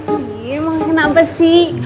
iiih emang kenapa sih